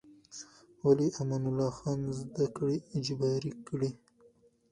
ولې امان الله خان زده کړې اجباري کړې؟